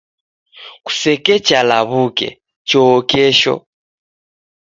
Kusekecha law'uke, choo kesho.